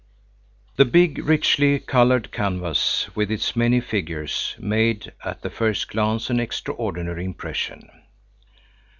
The big, richly colored canvas with its many figures made at the first glance an extraordinary impression.